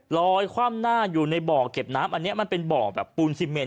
คว่ำหน้าอยู่ในบ่อเก็บน้ำอันนี้มันเป็นบ่อแบบปูนซีเมน